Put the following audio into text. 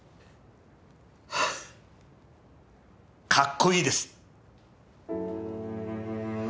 かっこいいです。